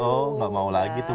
oh nggak mau lagi tuh